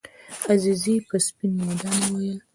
عزیزي په سپین میدان وویل.